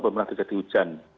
belum pernah terjadi hujan